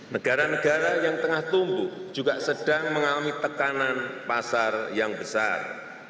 negara negara yang tengah tumbuh juga sedang mengalami tekanan pasar yang besar